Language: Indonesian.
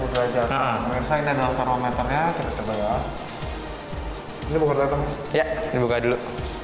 tujuh puluh derajat dan dalam perlengkapan ya kita coba ya dibuka dulu